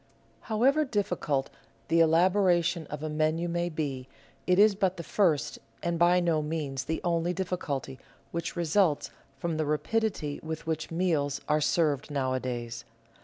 However difficult the elaboration of a menu may be, it is but the first and by no means the only difficulty which results from the rapidity with which meals are served nowadays.